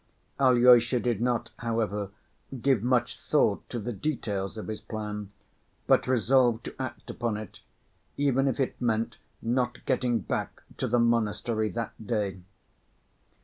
Alyosha did not, however, give much thought to the details of his plan, but resolved to act upon it, even if it meant not getting back to the monastery that day.